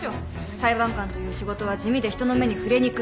裁判官という仕事は地味で人の目に触れにくい。